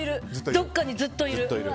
どっかにずっといる。